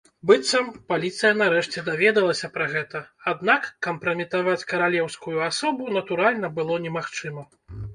Быццам, паліцыя нарэшце даведалася пра гэта, аднак кампраметаваць каралеўскую асобу, натуральна, было немагчыма.